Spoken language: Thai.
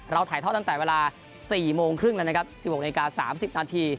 เราถ่ายท่อตั้งแต่เวลา๑๖๓๐แล้วนะครับ